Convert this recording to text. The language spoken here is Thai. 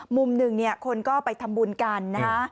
มุมหนึ่งคนก็ไปทำบุญกันนะ